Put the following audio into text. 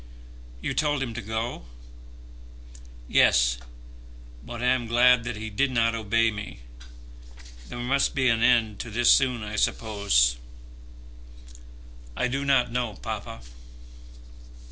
"You told him to go?" "Yes; but I am glad that he did not obey me. There must be an end to this soon, I suppose." "I do not know, papa."